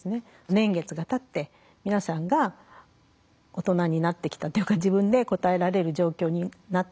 年月がたって皆さんが大人になってきたというか自分で答えられる状況になった。